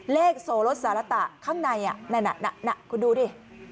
เลขโสโลสาลัตตะข้างในน่ะน่ะน่ะคุณดูดิ